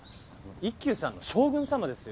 「一休さん」の将軍様ですよ。